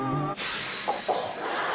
ここ！